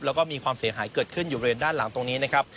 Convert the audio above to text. แล้วก็มีความเสียหายเกิดขึ้นอยู่บริเวณด้านหลังตรงนี้นะครับ